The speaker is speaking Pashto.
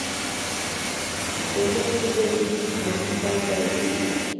که خوځښت ودریږي، ژوند پای ته رسېږي.